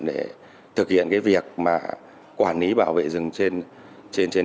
để thực hiện việc quản lý bảo vệ rừng trên địa bàn của xã